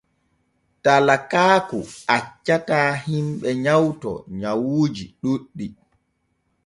Talakaaku accataa himɓe nyawto nyawuuji ɗuuɗɗi.